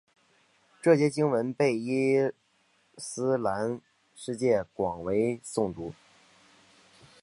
这节经文被伊斯兰世界广为诵读。